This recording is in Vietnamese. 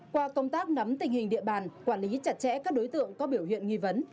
qua công tác nắm tình hình địa bàn quản lý chặt chẽ các đối tượng có biểu hiện nghi vấn